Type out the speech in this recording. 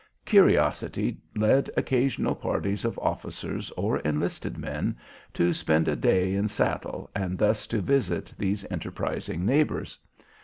Curiosity led occasional parties of officers or enlisted men to spend a day in saddle and thus to visit these enterprising neighbors.